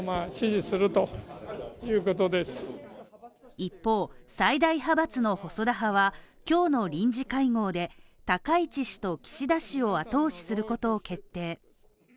一方、最大派閥の細田派は、今日の臨時会合で高市氏と岸田氏を後押しすることを決定。